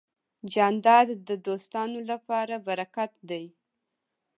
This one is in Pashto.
جانداد د دوستانو لپاره برکت دی.